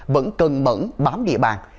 vẫn cân bẩn bám địa bàn